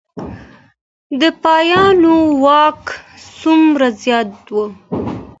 د پاپانو واک څومره زیات و؟